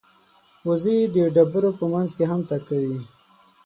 وزې د ډبرو په منځ کې هم تګ کوي